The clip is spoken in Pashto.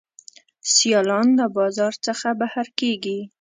سیالان له بازار څخه بهر کیږي.